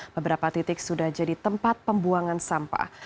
beberapa titik sudah jadi tempat pembuangan sampah